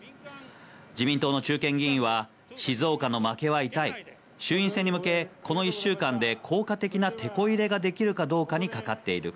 自民党の中堅議員は、静岡の負けは痛い、衆院選に向け、この１週間で効果的なてこ入れができるかどうかにかかっている。